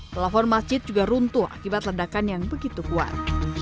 pelafon masjid juga runtuh akibat ledakan yang begitu kuat